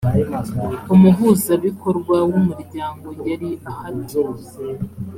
umuhuzabikorwa w umuryango yari ahati